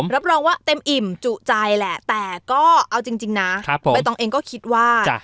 รับรองว่าเต็มอิ่มจุใจแหละแต่ก็เอาจริงนะใบตองเองก็คิดว่า